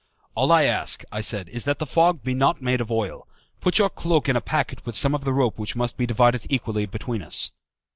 "All I ask," I said, "is that the fog be not made of oil. Put your cloak in a packet with some of the rope which must be divided equally between us."